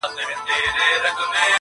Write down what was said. ډېر شتمن دئ تل سمسوره او ښېراز دئ.!